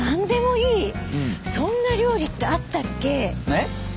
えっ？